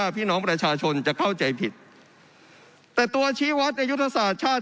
พี่น้องประชาชนจะเข้าใจผิดแต่ตัวชี้วัดในยุทธศาสตร์ชาติ